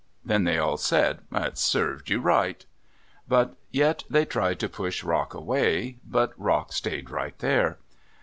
Then they all said, "It served you right." But yet they tried to push Rock away. Rock stayed right there.